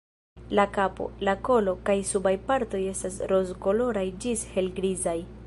La kapo, la kolo kaj subaj partoj estas rozkoloraj ĝis helgrizaj.